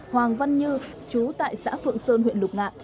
hoàng văn như chú tại xã phượng sơn huyện lục ngạn